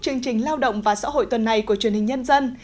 chương trình lao động và xã hội tuần này của truyền hình nhân dân